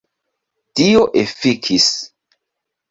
Tio efikis.